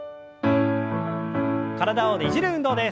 体をねじる運動です。